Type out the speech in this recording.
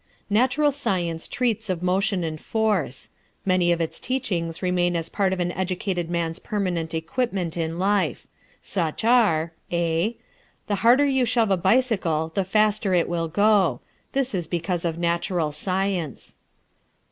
Natural Science treats of motion and force. Many of its teachings remain as part of an educated man's permanent equipment in life. Such are: (a) The harder you shove a bicycle the faster it will go. This is because of natural science.